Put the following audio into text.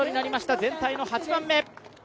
全体の８番目。